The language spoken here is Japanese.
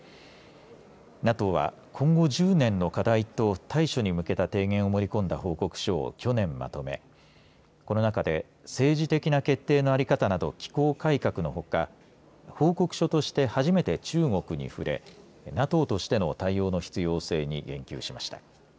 ＮＡＴＯは今後１０年の課題と対処に向けた提言を盛り込んだ報告書を去年まとめこの中で、政治的な決定の在り方など機構改革のほか報告書として初めて中国に触れＮＡＴＯとしての対応の必要性に言及しました。